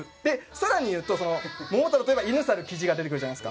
更に言うと『桃太郎』といえば犬猿キジが出てくるじゃないですか。